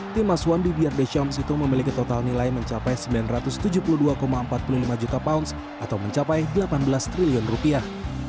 tim aswan bbrd syams itu memiliki total nilai mencapai sembilan ratus tujuh puluh dua empat puluh lima juta pounds atau mencapai delapan belas triliun rupiah